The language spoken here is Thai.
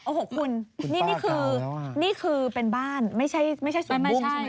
โอ้โฮคุณนี่คือเป็นบ้านไม่ใช่ส่วนบุ้งใช่ไหม